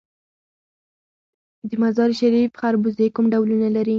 د مزار شریف خربوزې کوم ډولونه لري؟